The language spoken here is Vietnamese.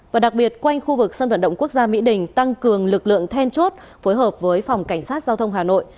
và đặc biệt quanh khu vực sân vận động quốc gia mỹ đình tăng cường lực lượng then chốt phối hợp với phòng cảnh sát giao thông hà nội